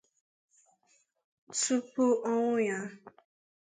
Tupu ọnwụ ya